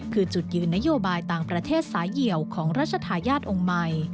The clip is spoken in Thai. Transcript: คือจุดยืนนโยบายต่างประเทศสายเหี่ยวของราชทายาทองค์ใหม่